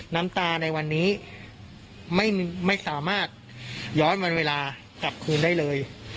น้ำตาในวันนี้ไม่สามารถย้อนวันเวลากลับคืนได้เลย